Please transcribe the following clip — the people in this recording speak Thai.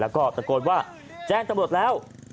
แล้วก็ตะโกนว่าแจ้งตำรวจแล้ว